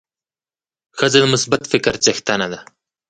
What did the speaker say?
ښځه د مثبت فکر څښتنه ده.